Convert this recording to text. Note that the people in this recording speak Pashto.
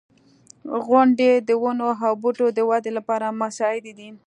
• غونډۍ د ونو او بوټو د ودې لپاره مساعدې دي.